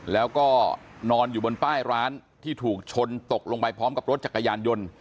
แล้วก็นอนอยู่บนป้ายร้านที่ถูกชนตกลงไปพร้อมกับรถจักรยานยนต์